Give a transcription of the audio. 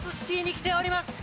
来ております。